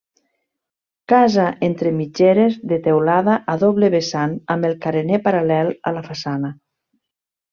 Casa entre mitgeres de teulada a doble vessant amb el carener paral·lel a la façana.